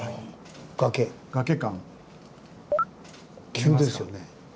急ですよね。